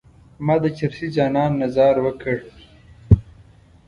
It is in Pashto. ما د چرسي جانان نه ځار وکړ.